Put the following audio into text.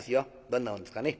どんなもんですかね。